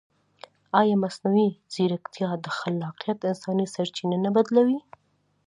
ایا مصنوعي ځیرکتیا د خلاقیت انساني سرچینه نه بدلوي؟